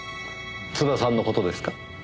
津田さんの事ですか？